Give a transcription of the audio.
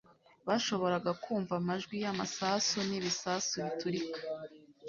bashoboraga kumva amajwi y'amasasu n'ibisasu biturika